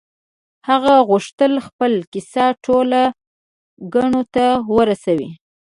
هغه غوښتل خپله کيسه ټولو کڼو ته ورسوي.